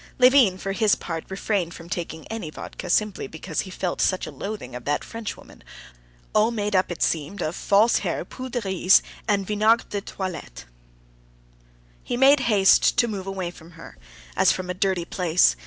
Levin for his part refrained from taking any vodka simply because he felt such a loathing of that Frenchwoman, all made up, it seemed, of false hair, poudre de riz, and vinaigre de toilette. He made haste to move away from her, as from a dirty place.